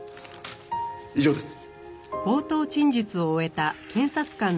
以上です。